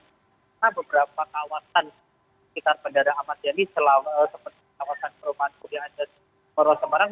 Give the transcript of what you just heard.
kita beberapa kawasan sekitar bandara amat yani selama kawasan perumahan kudian dan kota semarang